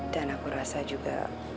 dan aku rasa juga